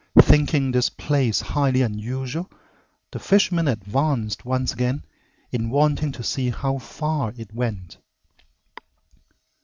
Thinking this place highly unusual, the fisherman advanced once again in wanting to see how far it went.